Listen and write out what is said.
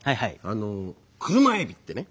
あの車エビってね。